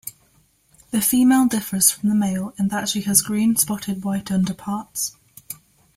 The female differs from the male in that she has green-spotted white underparts.